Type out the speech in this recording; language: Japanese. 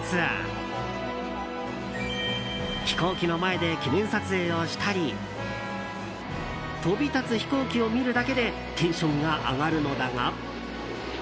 飛行機の前で記念撮影をしたり飛び立つ飛行機を見るだけでテンションが上がるのだが。